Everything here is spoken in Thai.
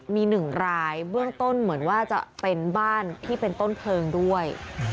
มี๑รายเบื้องต้นเหมือนว่าจะเป็นบ้านที่เป็นต้นเพลิงด้วย